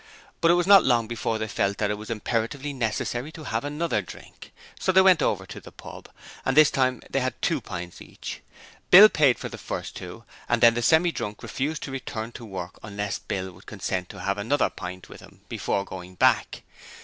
But it was not long before they felt that it was imperatively necessary to have another drink. So they went over to the pub, and this time they had two pints each. Bill paid for the first two and then the Semi drunk refused to return to work unless Bill would consent to have another pint with him before going back.